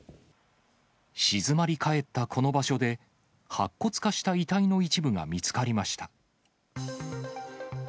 静まり返ったこの場所で白骨化した遺体の一部が見つかりました。